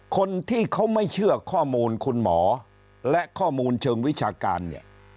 คนที่เขาไม่เชื่อข้อมูลคุณหมอและข้อมูลเชิงวิชาการเนี่ย